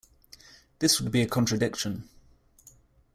This would be a contradiction.